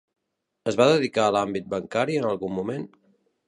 Es va dedicar a l'àmbit bancari en algun moment?